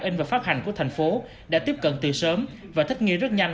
in và phát hành của thành phố đã tiếp cận từ sớm và thích nghi rất nhanh